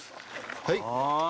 はい。